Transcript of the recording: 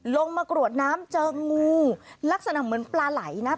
กรวดน้ำเจองูลักษณะเหมือนปลาไหลนะ